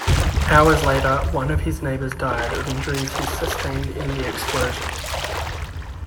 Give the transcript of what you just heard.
Hours later one of his neighbours died of injuries he sustained in the explosion.